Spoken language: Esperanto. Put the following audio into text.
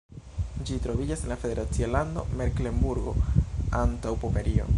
Ĝi troviĝas en la federacia lando Meklenburgo-Antaŭpomerio.